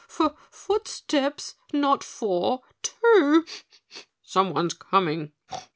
F f footsteps not four, TWO. Someone's coming.